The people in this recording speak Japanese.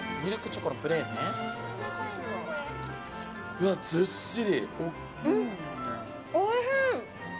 うわ、ずっしり。